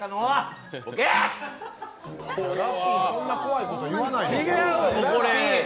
そんな怖いこと言わないで。